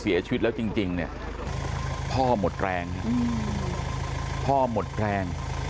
เสียชีวิตแล้วจริงเนี่ยพ่อหมดแรงฮะพ่อหมดแรง